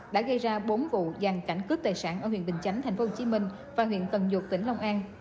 đã gây ra bốn vụ giàn cảnh cướp tài sản ở huyện bình chánh thành phố hồ chí minh và huyện cần dục tỉnh long an